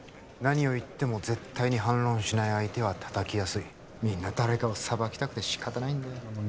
何を言っても絶対に反論しない相手はたたきやすいみんな誰かを裁きたくて仕方ないんだよ